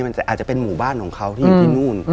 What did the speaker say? มันอาจจะเป็นหมู่บ้านของเขาที่อยู่ที่นู่น